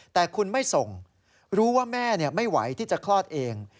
แต่คุณไม่ส่งรู้ว่าแม่ไม่ไหวที่จะคลอดเอง